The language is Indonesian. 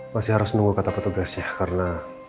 masih harus nunggu kata protograsnya karena